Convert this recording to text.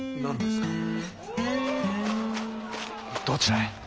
どちらへ？